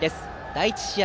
第１試合